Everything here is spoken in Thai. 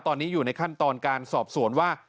ตอนนี้อยู่ในขั้นตอนการสอบสวนว่า